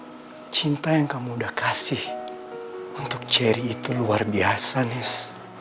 dan cinta yang kamu udah kasih untuk jerry itu luar biasa nis